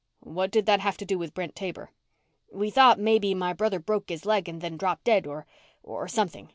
"What did that have to do with Brent Taber?" "We thought maybe my brother broke his leg and then dropped dead or or something.